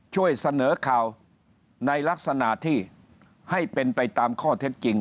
ช่วยเสนอข่าวในลักษณะที่ให้เป็นไปตามข้อเท็จจริง